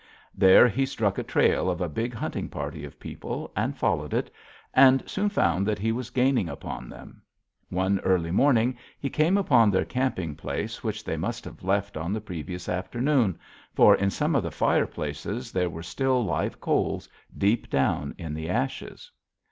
There he struck the trail of a big hunting party of people, and followed it, and soon found that he was gaining upon them; one early morning he came upon their camping place which they must have left on the previous afternoon, for in some of the fireplaces there were still live coals deep down in the ashes.